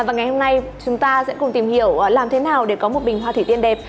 và ngày hôm nay chúng ta sẽ cùng tìm hiểu làm thế nào để có một bình hoa thủy tiên đẹp